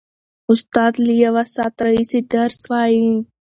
استاد له یوه ساعت راهیسې درس وايي.